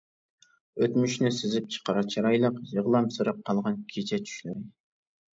ئۆتمۈشىنى سىزىپ چىقار چىرايلىق، يىغلامسىراپ قالغان كېچە چۈشلىرى.